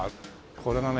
これがね